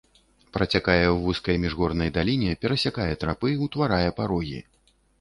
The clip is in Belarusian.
Працякае ў вузкай міжгорнай даліне, перасякае трапы, утварае парогі.